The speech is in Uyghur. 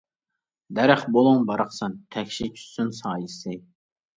دەرەخ بولۇڭ باراقسان، تەكشى چۈشسۇن سايىسى!